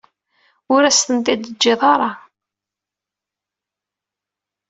Ur asen-ten-id-teǧǧiḍ ara.